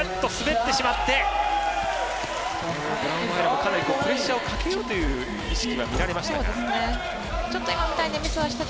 かなりプレッシャーをかけようという意識は見られましたが。